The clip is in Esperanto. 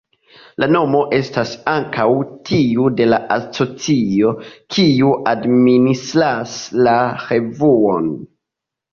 La nomo estas ankaŭ tiu de la asocio, kiu administras la revuon.